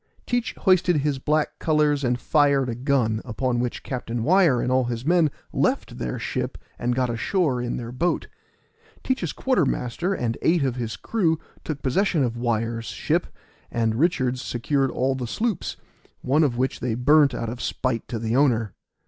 Teach hoisted his black colors and fired a gun, upon which Captain Wyar and all his men left their ship and got ashore in their boat. Teach's quartermaster and eight of his crew took possession of Wyar's ship, and Richards secured all the sloops, one of which they burnt out of spite to the owner.